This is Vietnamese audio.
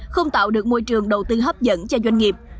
không tạo được môi trường đầu tư hấp dẫn cho doanh nghiệp